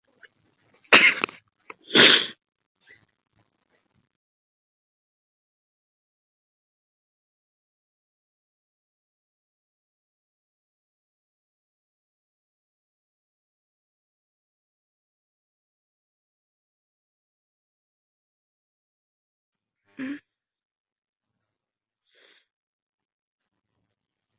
তাহলে আমার বাড়ি চলেই এসেছ?